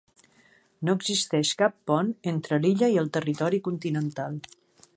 No existeix cap pont entre l'illa i el territori continental.